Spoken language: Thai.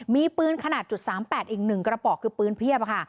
มีปืนขนาด๓๘อีก๑กระบอกคือปืนเพียบค่ะ